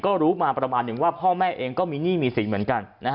ก็รู้มาประมาณหนึ่งว่าพ่อแม่เองก็มีหนี้มีสินเหมือนกัน